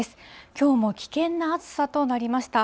きょうも危険な暑さとなりました。